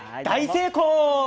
大成功！